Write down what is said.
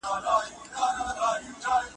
د ژوند په هر خوځښت باندې مې شر لارې تړلي